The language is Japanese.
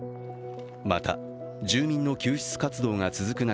また、住民の救出活動が続く中